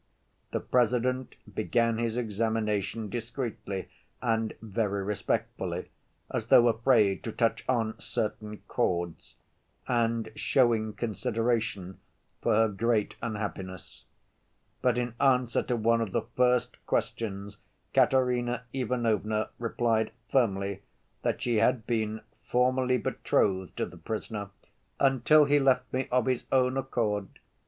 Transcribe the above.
The President began his examination discreetly and very respectfully, as though afraid to touch on "certain chords," and showing consideration for her great unhappiness. But in answer to one of the first questions Katerina Ivanovna replied firmly that she had been formerly betrothed to the prisoner, "until he left me of his own accord..."